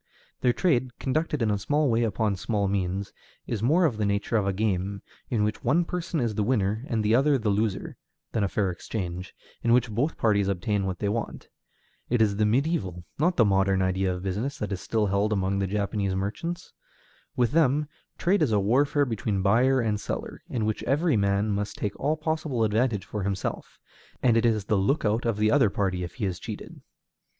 Their trade, conducted in a small way upon small means, is more of the nature of a game, in which one person is the winner and the other the loser, than a fair exchange, in which both parties obtain what they want. It is the mediæval, not the modern idea of business, that is still held among Japanese merchants. With them, trade is a warfare between buyer and seller, in which every man must take all possible advantage for himself, and it is the lookout of the other party if he is cheated.